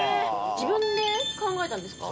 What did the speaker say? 自分で考えたんですか？